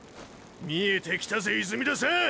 見えてきたぜ泉田さん！！